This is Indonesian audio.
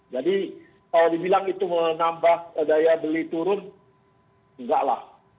jadi kalau dibilang itu menambah daya beli turun enggak lah